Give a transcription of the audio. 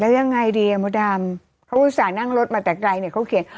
ยังไงดีอ่ะมดดำเขาอุตส่าห์นั่งรถมาแต่ไกลเนี่ยเขาเขียน